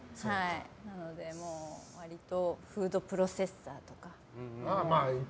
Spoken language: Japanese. なので割とフードプロセッサーとか。